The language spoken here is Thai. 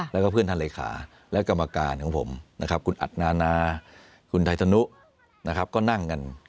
แล้วก็เพื่อนท่านเลขาและกรรมการของผมคุณอัตนานาคุณไทยสนุก็นั่งกัน